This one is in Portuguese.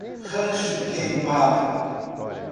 Rancho Queimado